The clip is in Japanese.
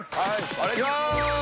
お願いします